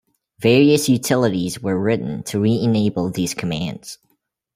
Various utilities were written to re-enable these commands.